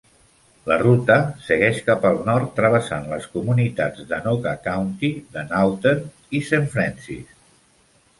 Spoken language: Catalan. La ruta segueix cap al nord travessant les comunitats d"Anoka County de Nowthen i Saint Francis.